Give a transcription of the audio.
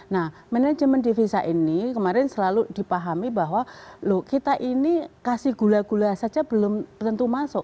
nah manajemen divisa ini kemarin selalu dipahami bahwa loh kita ini kasih gula gula saja belum tentu masuk